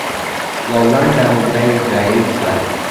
یوه لنډه نمره یې ډایل کړه .